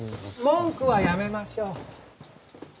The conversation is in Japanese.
文句はやめましょう。